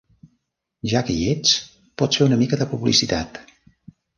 Ja que hi ets, pots fer una mica de publicitat.